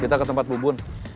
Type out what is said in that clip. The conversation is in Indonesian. kita ke tempat bubun